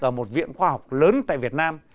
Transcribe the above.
ở một viện khoa học lớn tại việt nam